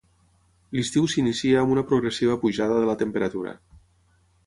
L'estiu s'inicia amb una progressiva pujada de la temperatura.